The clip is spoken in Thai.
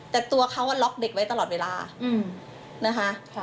แต่ตัวเขาล็อกเด็กไว้ตลอดเวลานะคะ